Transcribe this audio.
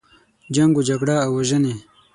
جنګ و جګړه او وژنې.